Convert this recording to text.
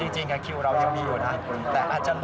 จริงกับคิวเรายังมีอยู่นะแต่อาจจะหลงได้